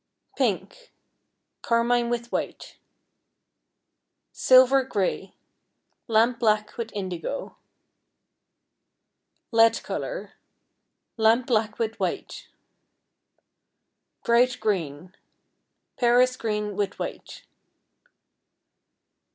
Pink, carmine with white. Silver Gray, lamp black with indigo. Lead Color, lamp black with white. Bright Green, Paris green with white.